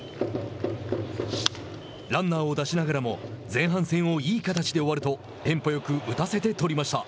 ランナーを出しながらも前半戦をいい形で終わるとテンポよく打たせて取りました。